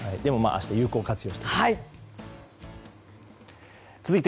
明日は有効活用してください。